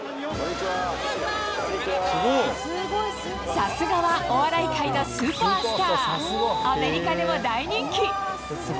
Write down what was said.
さすがはお笑い界のスーパースター、アメリカでも大人気。